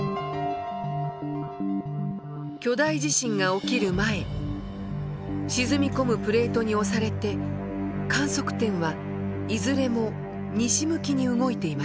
巨大地震が起きる前沈み込むプレートに押されて観測点はいずれも西向きに動いていました。